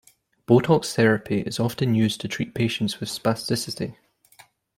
Botox therapy is often used to treat patients with spasticity.